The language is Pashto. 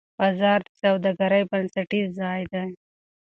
بازار د سوداګرۍ بنسټیز ځای دی.